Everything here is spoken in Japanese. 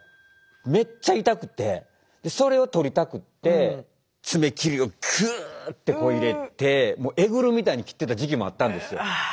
めっちゃ痛くてそれを取りたくって爪切りをくって入れてえぐるみたいに切ってた時期もあったんですよ。